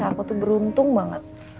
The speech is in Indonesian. aku tuh beruntung banget